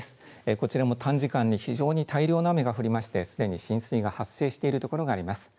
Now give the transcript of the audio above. こちらも短時間に非常に大量の雨が降りまして、すでに浸水が発生している所があります。